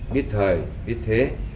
biết thời biết thế